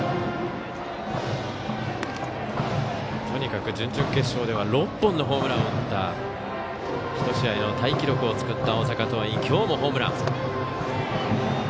とにかく準々決勝では６本のホームランを打った１試合のタイ記録を作った大阪桐蔭、きょうもホームラン。